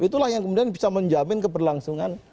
itulah yang kemudian bisa menjamin keberlangsungan